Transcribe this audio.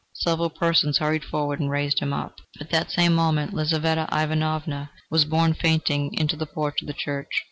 Several persons hurried forward and raised him up. At the same moment Lizaveta Ivanovna was borne fainting into the porch of the church.